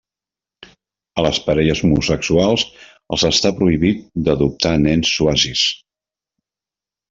A les parelles homosexuals els està prohibit d'adoptar nens swazis.